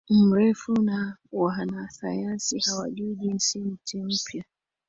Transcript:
mrefu Na Wanasayansi hawajui Jinsi Mti mpya